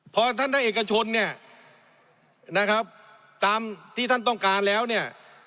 พอท่านได้เอกชนเนี่ยนะครับตามที่ท่านต้องการแล้วเนี่ย